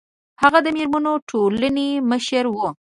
هغه د میرمنو ټولنې مشره وه